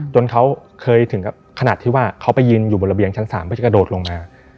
จนเขาเคยถึงกับขนาดที่ว่าเขาไปยืนอยู่บนระเบียงชั้น๓เพื่อจะกระโดดลงมา